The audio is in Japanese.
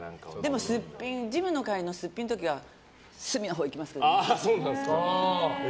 でも、ジムの帰りのすっぴんの時は隅のほういきますけどね。